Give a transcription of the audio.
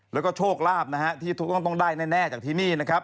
แล้วก็โชคลาภนะฮะที่ต้องได้แน่จากที่นี่นะครับ